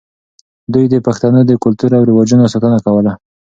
دوی د پښتنو د کلتور او رواجونو ساتنه کوله.